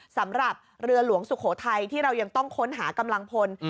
สำหรับเรือหลวงสุโขทัยที่เรายังต้องค้นหากำลังพล